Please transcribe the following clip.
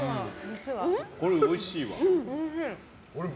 これ、おいしいわ。